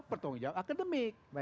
pertanggung jawab akademik